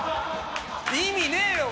意味ねえよ